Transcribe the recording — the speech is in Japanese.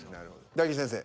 大吉先生